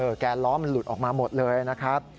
แกนล้อมันหลุดออกมาหมดเลยนะครับ